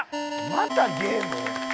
またゲーム？